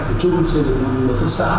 của chung xây dựng nông thôn cấp xã